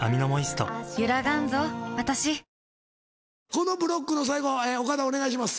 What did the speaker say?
このブロックの最後岡田お願いします。